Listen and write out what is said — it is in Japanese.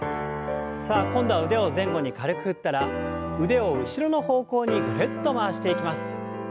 さあ今度は腕を前後に軽く振ったら腕を後ろの方向にぐるっと回していきます。